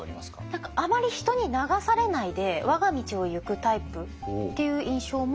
何かあまり人に流されないで我が道を行くタイプっていう印象もありますね。